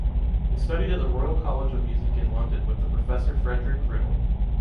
They studied at the Royal College of Music in London with the professor Frederick Riddle.